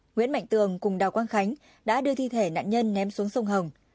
nguyễn mạnh tường cùng đào quang khánh đã đưa thi thể nạn nhân ném xuống sông hồng